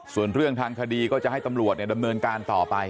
ส่วนเรื่องทางคดีก็จะให้ตำรวจดำเนินการต่อไป